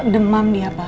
demam di apa